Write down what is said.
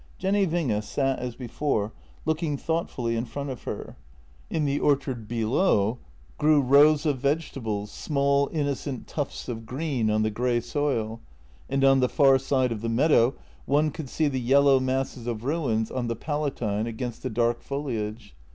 Jenny Winge sat as before, looking thoughtfully in front of her. In the orchard below grew rows of vegetables, small in nocent tufts of green on the grey soil, and on the far side of the meadow one could see the yellow masses of ruins on the Palatine against the dark foliage.